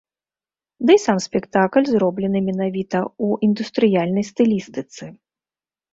Дый сам спектакль зроблены менавіта ў індустрыяльнай стылістыцы.